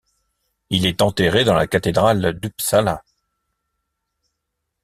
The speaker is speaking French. Il est enterré dans la cathédrale d'Uppsala.